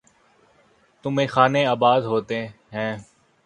تو میخانے آباد ہوتے ہیں۔